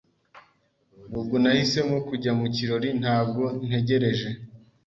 Nubwo nahisemo kujya mu kirori, ntabwo ntegereje.